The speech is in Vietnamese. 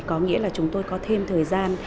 có nghĩa là chúng tôi có thêm thời gian